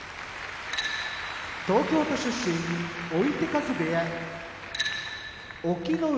東京都出身追手風部屋隠岐の海